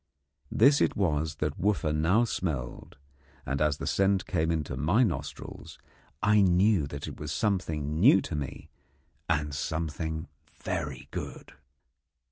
This it was that Wooffa now smelled, and as the scent came to my nostrils I knew that it was something new to me and something very good.